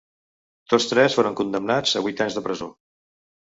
Tots tres foren condemnats a vuit anys de presó.